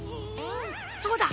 そうだ！